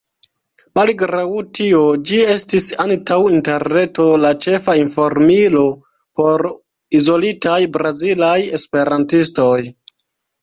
Malgraŭ tio ĝi estis antaŭ Interreto la ĉefa informilo por izolitaj brazilaj esperantistoj.